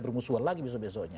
bermusuhan lagi besok besoknya